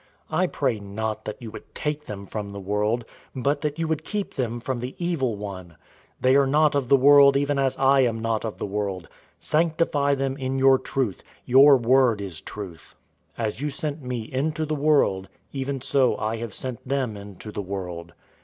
017:015 I pray not that you would take them from the world, but that you would keep them from the evil one. 017:016 They are not of the world even as I am not of the world. 017:017 Sanctify them in your truth. Your word is truth.{Psalm 119:142} 017:018 As you sent me into the world, even so I have sent them into the world.